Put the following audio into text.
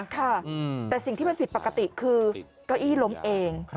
ค่ะแต่สิ่งที่มันผิดปกติคือเก้าอี้ล้มเอง